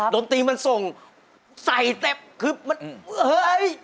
ดนตรีมันส่งใส่แต่คือมัน